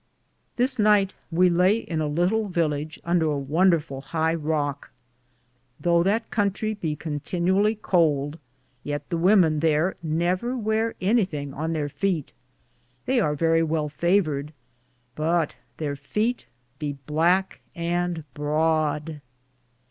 This nighte we Laye in a lytle village under a wonder full heie rocke. Thoughe that countrie be contenually could, yeate the wemen thare never weare anythinge on their feete ; they ar verrie well favored, but their feete be blacke and broade.